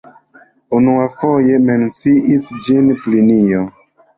Unuafoje menciis ĝin Plinio.